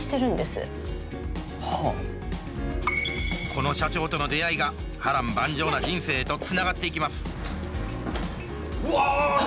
この社長との出会いが波乱万丈な人生へとつながっていきますうわ！